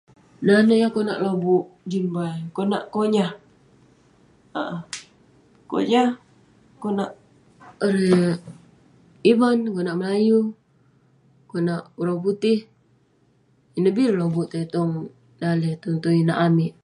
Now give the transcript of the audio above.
Yan neh konak lobuk jin bai..konak konyah, konak..erei...ivan, konak melayu, konak orang putih..ineh bi ireh lobuk tai tong daleh, tai tong inak amik..